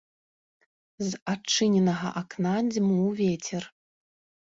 З адчыненага акна дзьмуў вецер.